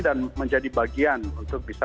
dan menjadi bagian untuk bisa